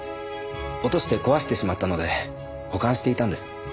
落として壊してしまったので保管していたんです。